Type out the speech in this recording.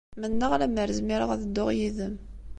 Mennaɣ lemmer zmireɣ ad dduɣ yid-m.